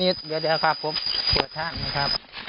นี่เดี๋ยวครับผมเปิดทางนี่ครับ